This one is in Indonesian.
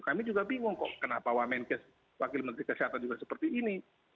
kami juga bingung kok kenapa wamenkes wakil menteri kesehatan juga seperti ini